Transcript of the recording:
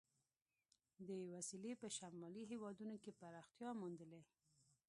دې وسیلې په شمالي هېوادونو کې پراختیا موندلې.